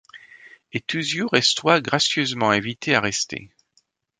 Et tousiours estoyt gracieusement invitée à rester.